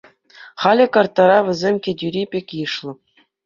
Халӗ картара вӗсем кӗтӳри пек йышлӑ.